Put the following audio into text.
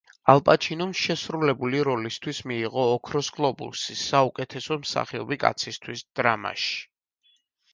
ალ პაჩინომ შესრულებული როლისთვის მიიღო ოქროს გლობუსი საუკეთესო მსახიობი კაცისთვის დრამაში.